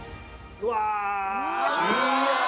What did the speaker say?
うわ！